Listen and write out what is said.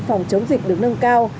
phòng chống dịch được nâng cao